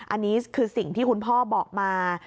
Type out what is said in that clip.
อันนี้คือสิ่งที่คุณพ่อบอกมา